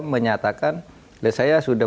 menyatakan saya sudah